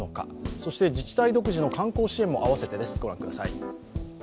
そして自治体独自の観光支援も併せて御覧ください。